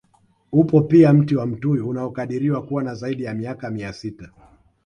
Upo pia mti wa mtuyu unaokadiriwa kuwa na zaidi ya miaka mia sita